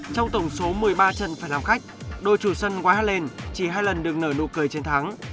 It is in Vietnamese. trong tổng số một mươi ba trận phải làm khách đôi chủ sân quá hát lên chỉ hai lần đừng nở nụ cười chiến thắng